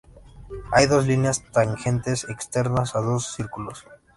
Hay dos líneas tangentes externas a dos círculos.